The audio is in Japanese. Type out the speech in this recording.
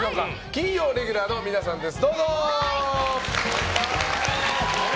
金曜レギュラーの皆さんです。